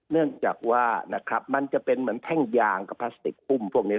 เนื่องจากว่านะครับมันจะเป็นเหมือนแท่งยางกับพลาสติกหุ้มพวกนี้